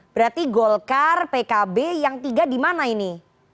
berarti golkar pkb yang tiga di mana ini